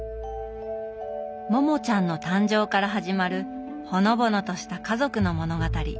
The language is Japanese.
モモちゃんの誕生から始まるほのぼのとした家族の物語。